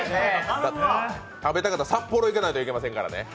食べたかったら札幌行かないといけませんからね。